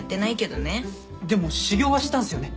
でも修行はしたんすよね？